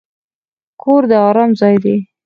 کور د ارام ځای دی.